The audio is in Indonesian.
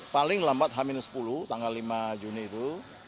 paling lambat h sepuluh tanggal lima juni itu